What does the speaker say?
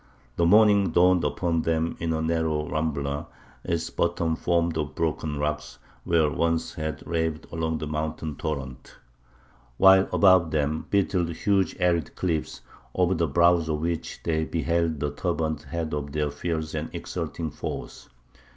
The morning dawned upon them in a narrow rambla; its bottom formed of broken rocks, where once had raved along the mountain torrent; while above them beetled huge arid cliffs, over the brows of which they beheld the turbaned heads of their fierce and exulting foes....